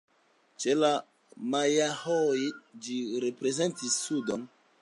Ĉe la majaoj ĝi reprezentis sudon.